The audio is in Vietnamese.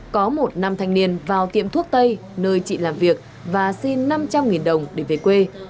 có một nam thanh niên vào tiệm thuốc tây nơi chị làm việc và xin năm trăm linh đồng để về quê